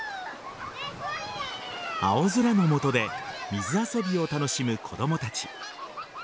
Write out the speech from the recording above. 青空の下で水遊びを楽しむ子供たち。